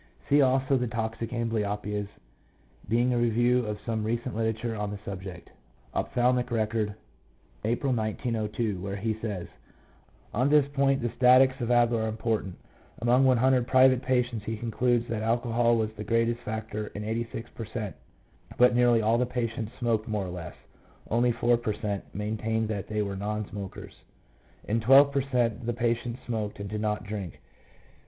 See also "The Toxic Amblyopias; being a Review of some Recent Literature on the Subject," Ophthalmic Record, April 1902, where he says, "On this point the statistics of Adler are important. Among 100 private patients he concludes that alcohol was the greatest factor in 86 per cent., but nearly all the patients smoked more or less; only four per cent, maintained that they were non smokers. In 12 per cent, the patients smoked and did not drink.